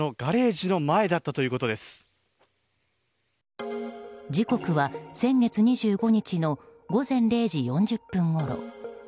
時刻は先月２５日の午前０時４０分ごろ。